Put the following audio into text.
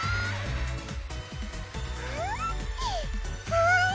かぁいい